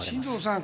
進藤さん